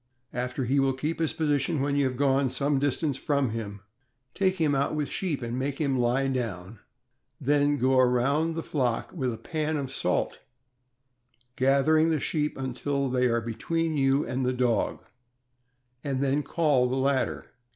After he will keep his posi tion when you have gone some distance from him, take him out with sheep and make him lie down; then go around the flock with a pan of salt, gathering the sheep until they are between you and the dog; then call the latter.